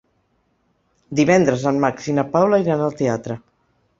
Divendres en Max i na Paula iran al teatre.